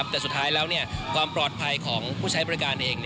แต่สุดท้ายแล้วความปลอดภัยของผู้ใช้บริการเอง